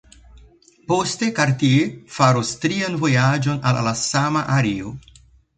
Poste Cartier faros trian vojaĝon al la sama areo.